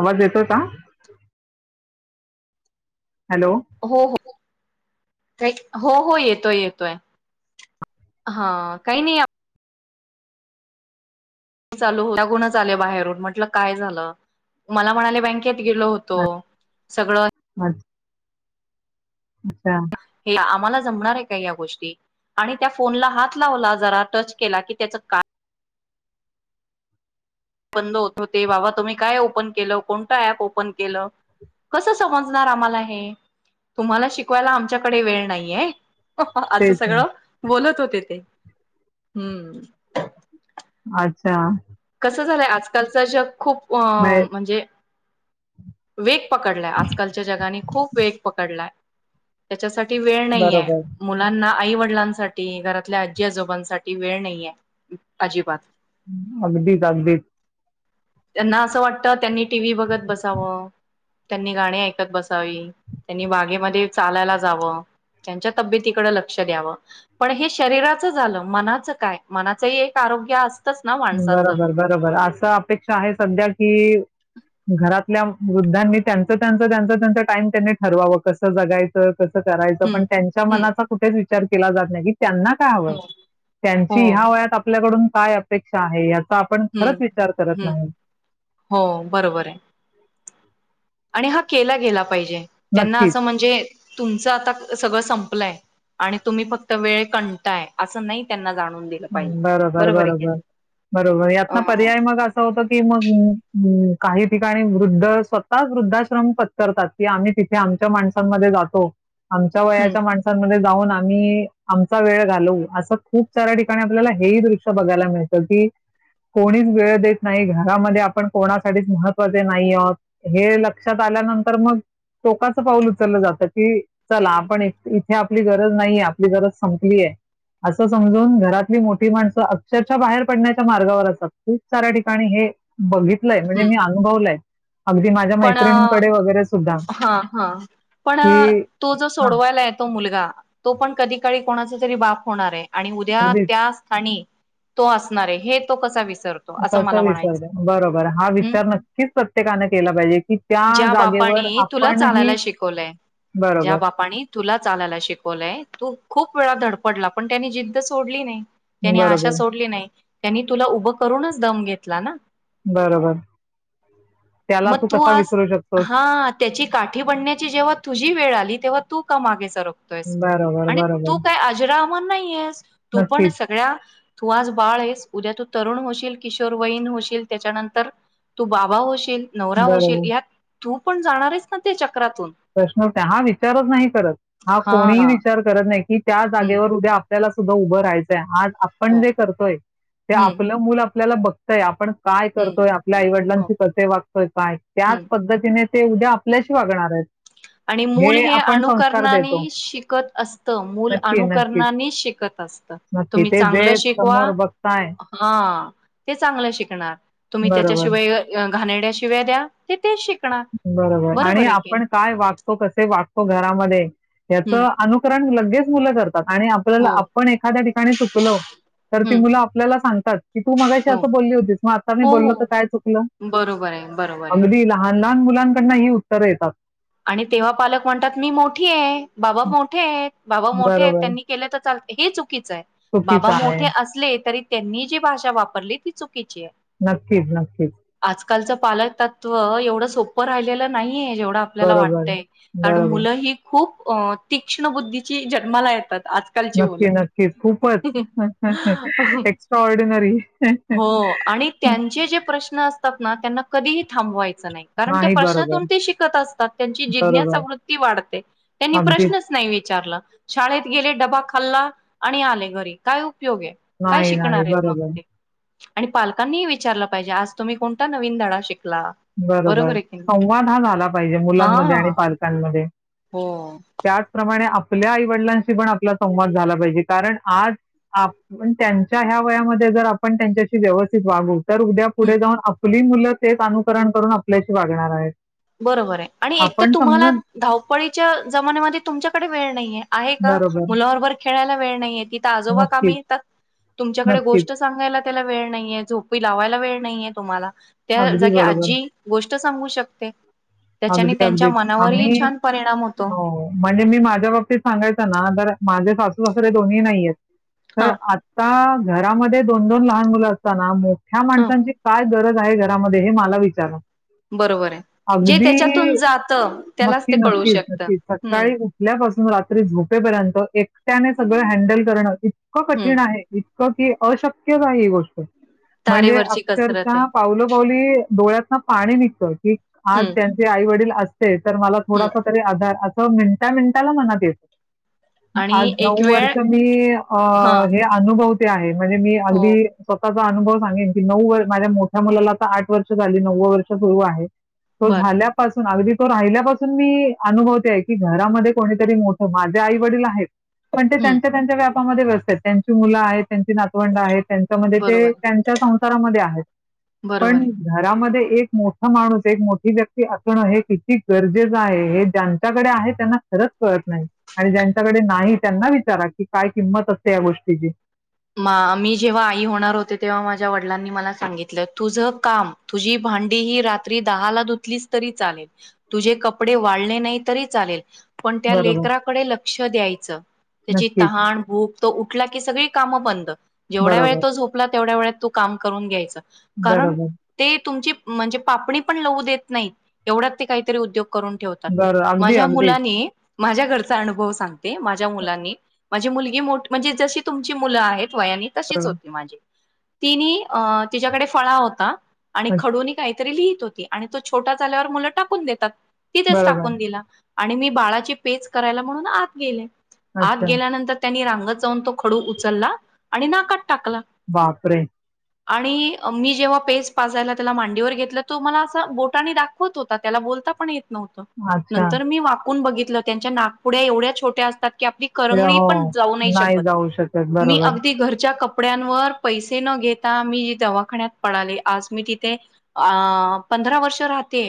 आवाज येतोय का? हॅलो कईट हो हो येतोय येतोय हा काही नाही चालू लागूनच बाहेरून म्हटलं काय झालं मला म्हणाले बँके त गेलो होतो सगळं. हम् हिला आम्हाला जमणार आहे का या गोष्टी आणि त्या फोनला हात लावला जरा टच केला की त्याच का बंद होत होत. ए बाबा तुम्ही काय ओपन केलं? कोणतं ऍप ओपन केलं? कसं समजणार आम्हाला हे? तुम्हाला शिकवायला आमच्याकडे वेळ नाहीय. असं तेच ना. सगळं बोलत होते ते. हम्म. अच्छा. कसं झालंय आजकालच जग खूप अ म्हणजे वेग- पकडलाय. आजकालच्या जगाने खूप वेग पकडलाय त्याच्यासाठी वेळ नाहीेए. बरोबर मुलांना आई वडिलांसाठी, घरातल्या आजी आजोबांसाठी वेळ नाहीए अजिबात. अगदीच अगदीच. त्यांना असं वाटत त्यांनी टीव्ही बघत बसावं- त्यांनी गाणी ऐकत बसावी. त्यांनी बागेमध्ये चालायला जावं. त्यांच्या तब्येतीकडे लक्ष द्यावं. पण हे शरीराचं झालं मनाच काय? मनाचही एक आरोग्य असतच ना माणसाचं. बरोबर बरोबर असं अपेक्षा आहे सध्या कि- घरातल्या वृद्धांनी त्यांच त्यांच त्यांच त्यांचा टाइम त्यांनी ठरवावं कसं जगायचं? - कसं करायचं? हम्म पण त्यांच्या हम्म मनाचा कुठेच विचार केला जात नाही की त्यांना काय हवंय? हो त्यांची ह्या वयात आपल्याकडून काय अपेक्षा आहे? - आपण हम्म खरच विचार करत हम्म नाही. हो बरोबर आहे. आणि हा केला गेला पाहिजे. त्यांना नक्कीच असं म्हणजे- तुमचं आता सगळं संपलंय आणि तुम्ही फक्त वेळ कंताय असं नाही त्यांना जाण बरोबर बरोबर. बरोबर अ यातन पर्याय मग असं होतं की मग काही ठिकाणी वृद्ध स्वतःच वृद्धाश्रम पत्करतात की आम्ही तिथे आमच्या माणसांमध्ये जातो. आमच्या हम्म वयाच्या माणसांमध्ये जाऊन आम्ही, आमचा वेळ घालवू असं खूप सर्व ठिकाणी ठ आपल्याला हे ही दृश्य बघायला मिळतं की कोणीच वेळ देत नाही. घरामध्ये आपण कोणासाठीच महत्त्वाचे नाही आहोत, हे लक्षात आ नंतर मग- टोकाचं पाऊल उचललं जातं की चला आपण इथे आपली गरज नाहीये आपली गरज संपलीय. असं समजून घरात- मोठी माणसं अक्षरशः बाहेर पडण्याच्या मार्गावर असतात. खूप साऱ्या ठिकाणी हे बघित- य म्हणजे हम्म मी अनुभवलय. पण- सुद्धा हा हा. पण- की तो जो हा सोडवायला येतो मुल- गा. तो पण कधी काळी कोणाचा तरी बाप होणार आहे आणि उद्या अगदीच त्या स्थानी तो असणार आहे, हे तो कसा विस- कस विसर बरोबर हा हम् विचार नक्कीच प्रत्येकान केला- पाहिजे की त्या ज्या जागेवर बापाने तुला चालायला आपणही- शिकवलंय ज्या बरोबर बापानी तुला चालायला शिकवलंय. - तू खूप वेळा धड पडला पण त्यांनी जिद्द सोडली नाही. त्यांनी आशा बरोबर सोडली नाही. त्यांनी तुला उभं करूनच दम घेतला ना? बरोबर. त्याला मग तू कसा आज- विसरू शकतोस हा -त्याची काठी बनण्याची जेव्हा तुझी वेळ आली तेव्हा- तू का मागे सरकतोयस? बरोबर आणि बरोबर तू काय आजरा- मर नाहीयेस. तू पण नक्कीच सगळ्या- तू आज बाळ आहेस. उद्या तू तरुण होशील. किशोर वयीन होशील त्याच्यानंतर- तू बाबा होशील, नवरा होशील बरोबर यात तू पण जाणार आहेस ना त्या च- प्रश्नच नाही. हा विचारच नाही करत. हा कोणीही विचार करत नाही की त्या हम्म जागेवर उद्या- ल्याला सुद्धा उभं राहायचंय. आज हो आपण जे करतोय ते हम्म आपलं मूल आपल्याला बघतय. आपण- काय हम्म करतोय? आपल्या हो आईवडिलांशी कसे वागतोय काय? त्याच हम्म. पद्धतीने- ते उद्या आपल्याशी वागणार आहेत. आणि मूल हे आपण संस्कार देतो अनुकरणानी शिकत असतं मूल नक्की नक्कीच अनुकरणानी शिकत, नक्की तुम्ही ते चांगलं जे शिकवा समोर बघताय हा ते चांगलं शिकणार, तुम्ही बरोबर त्याच्याशिवाय घाण्यारड्या शिवा द्या ते ते शिक बरोबर आणि आपण काय वागतो कसे वागतो घरामध्ये हं. याचं अनुकरण लगेच मुलं करतात, आणि आपल्याला हो. आपण एखाद्या ठिकाणी चुकलो तर ती हं. मुलं आपल्याला सांगतात. की तू मगाशी हो. असं बोलली होतीस मग आता मी हो, बोललो तर हो. काय चुकलं बरोबर आहे, बरोबर आहे. अंगदीला. लहान मुलांकडनं ही उत्तरं येतात. आणि तेव्हा पालक म्हणतात मी मोठी आहे, बाबा मोठे आहेत, बाबा मोठे आहेत, बरोबर. त्यांनी केले तर चाल हे चुकीचं आहे, बाबा चुकीचं आहे. मोठे असले तरी त्यांनी जी भाषा वापरली ती चुकीची आहे. नक्कीच नक्कीच, आजकालचं पालक तत्व एवढं सोपं राहिलेलं नाहीये जेवढ, आपल्याला बरोबर, वाटतय कारण बरोबर. मुलं ही खूप तीक्ष्ण बुद्धीची जन्माला येतात. आजकालची मुलं. नक्की नक्की खूपच एक्स्ट्रा ऑर्डिनरी, हो आणि त्यांचे जे प्रश्न असतात. त्यांना कधीही थांबवायचं नाही, कारण त्या प्रश्नातून ते शिकत असत. त्यांची जिज्ञा बरोबर. चवृत्ती वाढते, त्यांनी अगदीच. प्रश्नच नाही. विचारला शाळेत गेले, डबा खाल्ला आणि, आले घरी काय उपयोग आहे काय नाही, नाही. शिकणार आहेत मग बरोबर. ते. आणि पालकांनीही विचारलं पाहिजे आज तुम्ही कोणता नवीन धडा शिक, बरोबर संवाद हा झाला पाहिजे, हा मुलामध्ये आणि पालकांमध्ये हो त्याच प्रमा, आपल्या आईवडिलांशी पण आपला संवाद झाला पाहिजे कारण, आज आपण त्यांच्या ह्या वयामध्ये जर आपण त्यांच्याशी व्यवस्थित वागू, तर उद्या हं, पुढे जाऊन आपली मुलं तेच अनुकरण करून आपल्याशी वागणार आहेत. बरोबर आहे आणि एक तर आपण तुम्हाला समजून धावपळीच्या जमान्यामध्ये तुमच्याकडे वेळ नाहीये. आहे का? बरोबर. मुलाबरोबर खेळायला वेळ नाहीये तिथ आजोबा कामी नक्कीच, येतात. तुमच्याकडे नक्कीच. गोष्ट सांगायला त्याला वेळ नाहीये झोपी लावायला वेळ नाहीये तुम्हाला, त्या अगदी जागी बरोबर. आजी गोष्ट सांगू शकते. त्याच्याने अगदी अगदी त्यांच्या मनावरही आम्ही, छान परिणाम होतो हो म्हणजे मी माझ्या बाबतीत सांगायचं ना जर, माझे सासू सासुरे दोनीही नाहीयेत तर हा आता. घरामध्ये दोन दोन लहान मुलं असताना मोठ्या हा माणसांचे काय, गरज आहे घरामध्ये हे मला विचारा. बरोबर आहे जे हे त्याच्यातून जात त्यालाच नक्की ते कळू नक्कीच शकत नक्कीच हम्म सकाळी उठल्यापासून रात्री झोपेपर्यंत एकट्याने सगळं हँडल करणं इतकं हम्म कठीण आहे की अशक्यच आहे ही गोष्ट, म्हणजे तारेवरची कसरत आहे अक्षरशः पावलोपावली डोळ्यात नं पाणी निघतं की आज हम्म त्याचे आई वडील असते तर मला हम्म थोडासा तरी आधार हो मिनटा मिनटाला मनात येत आज आणि एक नऊ वेळ वर्ष मी अ हा हे अनुभवते आहे. म्हणजे मी हो अगदी स्व ताचा अनुभव सांगेन की नऊ वर माझ्या मोठ्या मुलाला आता आठ वर्ष झाली नववं वर्ष सुरू आहे. तो बर झाल्यापासून अगदी तो राहिल्यापासून मी अनुभवते आहे की घरामध्ये कोणीतरी मोठं माझे आई वडील आहेत. पण ते हम्म त्यांच्या त्यांच्या व्यापामध्ये व्यस्तेत त्यांची मुलं आहेत त्यांची नातवंड आहेत त्यांच्यामध्ये ते बरोबर त्यांच्या संसारामध्ये आहेत बरोबर आहे. पण घरामध्ये एक मोठं माणूस एक मोठी व्यक्ती असणं हे किती गरजेचं आहे, हे ज्यांच्याकडे आहे त्यांना खरंच कळत नाही. आणि ज्यांच्याकडे नाही त्यांना विचारा की काय किंमत असते या गोष्टीची. मा मी जेव्हा आई होणार होते तेव्हा मा [unintelligible] वडलांनी मला सांगितलं तुझं काम, तुझी भांडी ही रात्री दहाला धुतलीस तरी चालेल. तुझे कपडे वाळले नाही तरी चालेल. पण त्या बरोबर. लेकराकडे लक्ष द्यायचं त्याची नक्कीच. तहाण, भूक तो उठला की सगळी कामं बंद. जेवढ्या वेळ बरोबर. तो झोपला तेवढ्या वेळात तू काम करून घ्यायचं. कारण बरोबर. ते तुमची म्हणजे पापणी पण लवू देत नाही. एवढ्यात ते काहीतरी उद्योग करून ठेवतात. बरं. अगदी, माझ्या अगदीच. मुलानी माझ्या घरचा अनुभव सांगते, माझ्या मुलानी माझी मुलगी मोठ म्हणजे जशी तुमची मुलं आहेत. होय आणि तशीच बरोबर. होती माझी तिनी, अ तिच्याकडे फळा होता. आणि अच्छ खडूनी काहीतरी लिहित होती आणि तो छोटा झाल्यावर मुलं टाकून देतात. तिथेच बरोबर. टाकून दिला आणि मी बाळाची पेज करायला म्हणून आत गेले. आत अच्छा. गेल्यानंतर त्यानी रांगत जाऊन तो खडू उचलला आणि नाकात टाकला. बापरे. आणि मी जेव्हा पेज पाजायला त्याला मांडीवर घेतलं, तो मला असा बोटानी दाखवत होता त्याला बोलता पण येत. नव्हतं. अच्छा. नंतर मी वाकून बघितलं. त्यांच्या नाकपुड्या एवढ्या छोट्या असतात. की आपली ते करंगळी हो. पण जाऊ नायी नाही शकत. जाऊ शकत. मी बरोबर. अगदी घरच्या कप पड्यांवर पैसे न घेता मी दवाखान्यात पळाले, आज मी तिथे आ पंधरा वर्ष राहते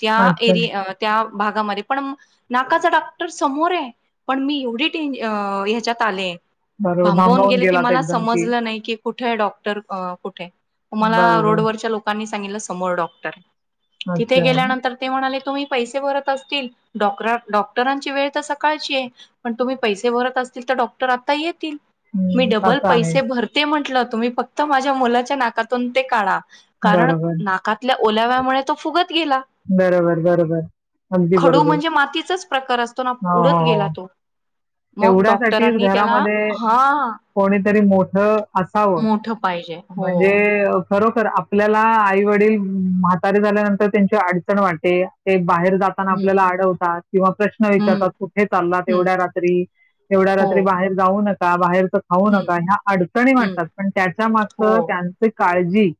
त्या अच्छा. एरि त्या भागामध्ये पण नाकाचा डॉक्टर समोरे पण मी एवढी टेन ह्याच्यात आले. बरोबर. भांबवून भांबावून गेले की गेलात मला एकदम समजलं नाही की कुठंय डॉक्टर कुठे मला बरोबर. रोडवरच्या लोकांनी सांगितलं समोर डॉक्टर, तिथे अच्छा. गेल्यानंतर ते म्हणाले. तुम्ही पैसे भरत असतील, डॉकरा डॉक्टरांची वेळ तर सकाळची आहे, पण तुम्ही पैसे भरत अस. तील तर डॉक्टर आता येतील. मी हं. डबल असं आहे. पैसे भरते म्हटलं तुम्ही फक्त माझ्या मुलाच्या नाकातून ते काढा. कारण बरोबर. नाकातल्या ओल्याव्यामुळे तो फुगत गेला. बरोबर बरोबर. अगदी खडू बरोबर म्हणजे मातीचाच प्रकार असतो ना उडत गेला तो. मग एवढ्यासाठीच डॉक्टरांनी त्याला घरामध्ये हा कोणीतरी मोठं असावं मोठ पाहिजे हो म्हणजे खरोखर आपल्याला आई वडील म्हातारीे झाल्यानंतर त्यांची अडचण वाटे ते बाहेर जाताना हम्म आपल्याला अडवतात किंवा प्रश्न हम्म विचारतात कुठे चाललात हम्म एवढ्या रात्री? एवढ्या हो रात्री बाहेर जाऊ नका बाहेर खाऊ हम्म नका ह्या अडचणी हम्म वाटतात पण त्याच्या हो मागं त्यांचे काळजी.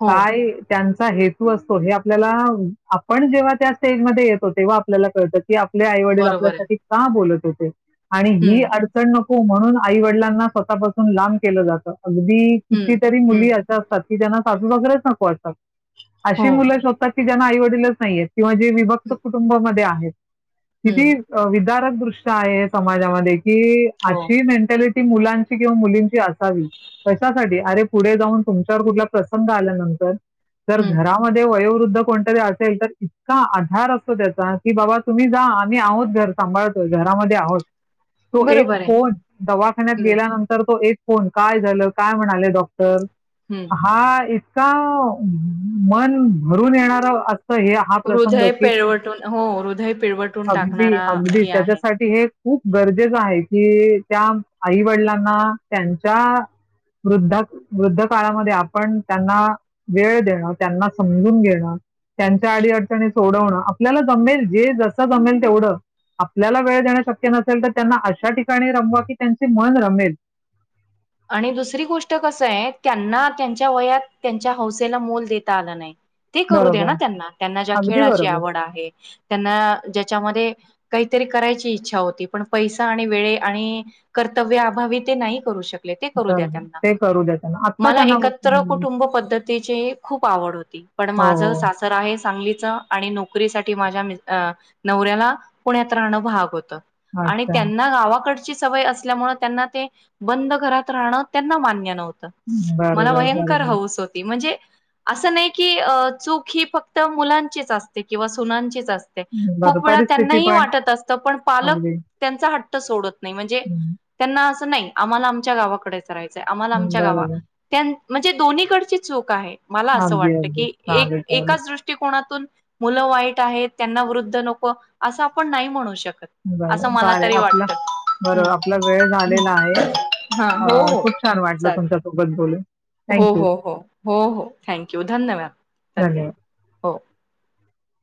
हो काय? त्यांचं. हेतू असतो हे आपल्याला आपण जेव्हा त्या स्टेजमध्येध्ये येतो तेव्हा आपल्याला कळतं. की आपले आई वडील बरोबर आहे. आपल्यासाठी का बोलत होते? आणि हम्म ही अडचण नक.. हो म्हणून आई वडिलांना स्वतःपासून लांब केलं जात, अगदी हम्म कितीतरी? हम्म मुली अशा असतात. की ज्यांना साासू वगैरेच नको वाटतात. हो अशी मुलं शोधतात की, ज्यांना आई वडीलच नाहीयेत. किंवा जे विभक्त हम्म कुटुंबामध्ये आहेत. हम्म, किती विदारक दृश्या आहेत? समाजामध्ये की हो अशी मेंटॅलिटी. ती मुलांची किंवा मुलींची असावी कशासाठी? अरे पुढे जाऊन तुमच्यावर कुठला प्रसंग आल्यानंतर. तर हम्म घरामध्ये वयो. कोणतरी असेल तर, इतका आधार असतो त्याचा की, बाबा तुम्ही जा आम्ही आहोत घर सांभाळतो. घरामध्ये आहोत. तो एक बरोबर आहे. फोन दवाखान्यात हम्म गेल्यानंतर तो एक फोन, काय झालं? काय म्हणाले? डॉक्टर. हम्म तर हा इतका मन भरून येणारा अस. हे हा प्रसंग हृदय कि पिळवटून हो हृदय पिळवटून अगदी, टाकणारा अगदी, हे आहे. त्याच्यासाठी हे. खूप गरजेचं आहे की, त्या आई वडिलांना त्यांच्या वृद्धा वृद्ध काळामध्ये आपण त्यांना वेळ देणं, त्यांना समजून घेणं, त्यांच्या आडी अडचणी सोडवणं. आपल्याला जमेल जे जसं जमेल तेवढं आपल्याला वेळ देणं शक्य नसेल तर, त्यांना अशा ठिकाणी रमवा की त्यांचे मन रमेल. आणि दुसरी गोष्ट कस आहे? त्यांना त्यांच्या वयात त्यांच्या हौसेला मोल देता आला नाही. ते करू दे्या बरोबर. ना त्यांना, त्यांना ज्या अगदी खेळाची बरोबर. आवड आहे. त्यांना ज्याच्यामध्ये काहीतरी करायची इच्छा होती. पण पैसा आणि वेळे आणि कर्तव्यअभावी ते नाही करू शकत. ते करू द्या बरोबर. त्यांना ते करू द्या त्यांना. आत्ता मला त्यांना एकत्र हं. कुटुंब पद्धतीची खूप आवड होती, पण हो, माझ हो. सासर आहे सांगली आणि नोकरी साठी माझ्या नवऱ्याला, पुण्यात राहणं भाग होतं. आणि अच्छा. त्यांना गावाकडची सवय असल्यामुळे त्यांना ते बंद. ात राह त्यांना मान्य नत मला बरोबर, भय बरोबर. हच होती म्हणजे असं नाही की चूक ही फक्त मुलांचीच असते, किंवा सुनांचीच असते. बरं खूप वेळा परिस्थिती त्यांनाही पण वाटत असत पण पालक अगदी. त्यांचा हट्ट सोडत. नाही म्हणजे हं, त्यांना असं नाही आम्हाला आमच्या गावाकडेच रायचंय आम्हाला हं, आमच्या गावा बरोबर. त्यां म्हणजे दोन्हीकडची चूक आहे मला असं अगदी, वाटतं अगदी. की, एक चालेल, चालेल. एकाच दृष्टिकोनात मुलं वाईट आहेत, त्यांना वृद्ध नको, असं आपण नाही म्हणू शकत. असं का मला तरी आपला वाटतं बरोबर हम्म आपला वेळ झालेला हम्म आहे. हा अ हो हो. खूप छान वाटलं चालेल तुमच्यासोबत बोलून हो थँक यू. हो हो हो हो थँक यू धन्यवाद धन्यवाद हो. [inaudible]